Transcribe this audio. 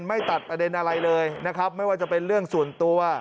ไม่ตัดประเด็นอะไรเลยนะครับไม่ว่าจะเป็นเรื่องส่วนตัว